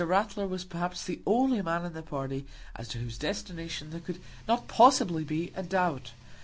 Ratler was perhaps the only man in the party as to whose destination there could not possibly be a doubt.